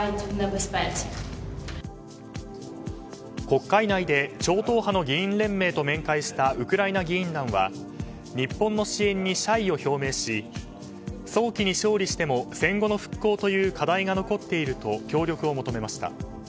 国会内で超党派の議員連盟と面会したウクライナ議員団は日本の支援に謝意を表明し早期に勝利しても戦後の復興という課題が残っていると協力を求めました。